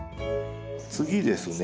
次ですね